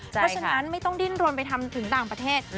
เพราะฉะนั้นไม่ต้องดิ้นรนไปทำถึงต่างประเทศ